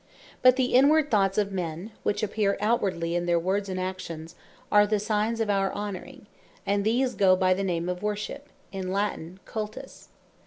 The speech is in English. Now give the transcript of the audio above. But the inward thoughts of men, which appeare outwardly in their words and actions, are the signes of our Honoring, and these goe by the name of WORSHIP, in Latine, CULTUS.